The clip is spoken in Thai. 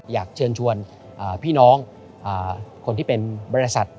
อยากเชิญชวนพี่น้องคนที่เป็นบริษัท